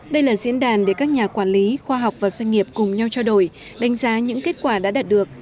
đây là diễn đàn để các nhà quản lý khoa học và doanh nghiệp cùng nhau trao đổi đánh giá những kết quả đã đạt được